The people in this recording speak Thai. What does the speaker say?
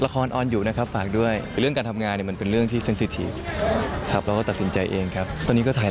ก็อยู่แถววิพาวดีนี่แหละนะคะ